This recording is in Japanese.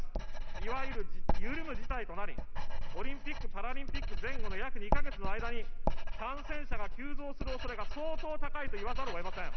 いわゆる緩む事態となり、オリンピック・パラリンピック前後の約２か月の間に、感染者が急増するおそれが相当高いと言わざるをえません。